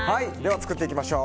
作っていきましょう。